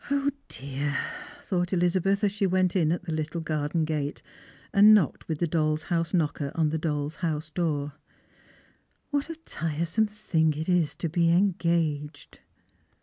0, dear," thought Ehzabeth, as she went in at the Httla 25P Strangers and Pilgrims. garden gate, and knocked witli the doll's house knocker on the doll's house door ;" what a tiresome thing it is to be engaged